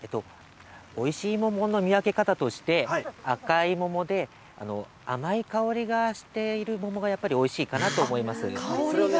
おいしい桃の見分け方として、赤い桃で、甘い香りがしている桃がやっぱりおいしいかなと思います。